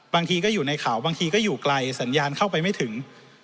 บางทีก็อยู่ในเขาบางทีก็อยู่ไกลสัญญาณเข้าไปไม่ถึง